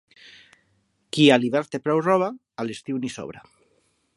Qui a l'hivern té prou roba, a l'estiu n'hi sobra.